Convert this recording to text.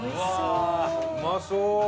うまそう！